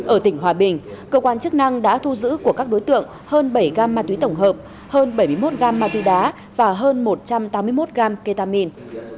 ở tỉnh hòa bình cơ quan chức năng đã thu giữ của các đối tượng hơn bảy gam ma túy tổng hợp hơn bảy mươi một gam ma túy đá và hơn một trăm tám mươi một g ketamine